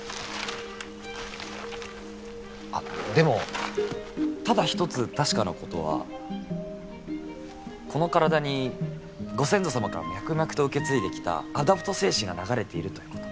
あっでもただ一つ確かなことはこの体にご先祖様から脈々と受け継いできたアダプト精神が流れているということ。